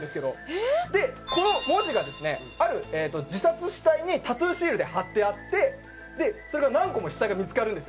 えっ？でこの文字がですねある自殺死体にタトゥーシールで貼ってあってそれが何個も死体が見付かるんですよ